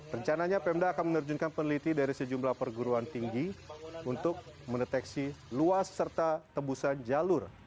rencananya pemda akan menerjunkan peneliti dari sejumlah perguruan tinggi untuk mendeteksi luas serta tebusan jalur